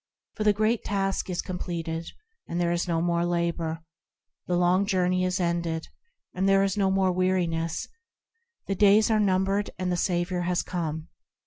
For the Great Task is completed, and there is no more labour ; The Long Journey is ended, and there is no more weariness ; The days are numbered, and the Saviour has come.